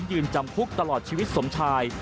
ยื่นจำคุกจำคุกตลอดชีวิตสมชาย